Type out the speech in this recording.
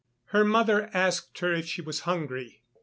Her mother asked her if she was hungry.